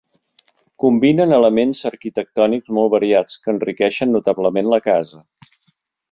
Combinen elements arquitectònics molt variats, que enriqueixen notablement la casa.